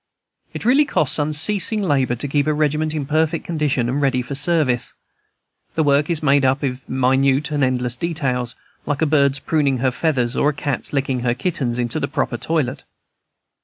It really costs unceasing labor to keep a regiment in perfect condition and ready for service. The work is made up of minute and endless details, like a bird's pruning her feathers or a cat's licking her kittens into their proper toilet.